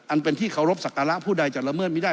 อันเป็นที่เคารพสักการะผู้ใดจะละเมิดไม่ได้